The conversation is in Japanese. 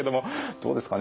どうですかね？